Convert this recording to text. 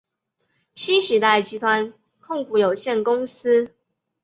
新时代集团控股有限公司。